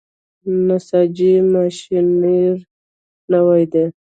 د نساجي ماشینري نوې ده؟